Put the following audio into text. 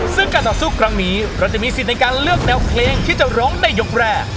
ซึ่งการต่อสู้ครั้งนี้เราจะมีสิทธิ์ในการเลือกแนวเพลงที่จะร้องในยกแรก